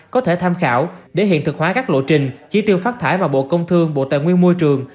có thể tham khảo để hiện thực hóa các lộ trình chỉ tiêu phát thải vào bộ công thương bộ tài nguyên môi trường